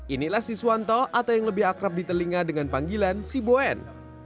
inilah siswanto atau yang lebih akrab di telinga dengan panggilan si boen